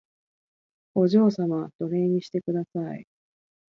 お嬢様奴隷にしてください